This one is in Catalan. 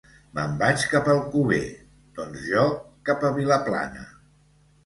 Me'n vaig cap a Alcover. —Doncs jo, cap a Vilaplana.